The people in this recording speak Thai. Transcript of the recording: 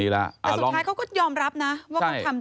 เออแล้วแต่ผมพาไป